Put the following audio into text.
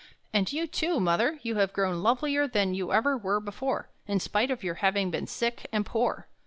And you too, mother, you have grown lovelier than you ever were before, in spite of your having been sick and poor.